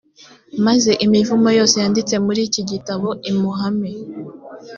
maze imivumo yose yanditse muri iki gitabo imuhame,